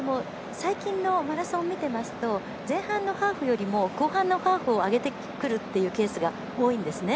最近のマラソンを見ていますと前半のハーフよりも後半のハーフを上げてくるっていうケースが多いんですね。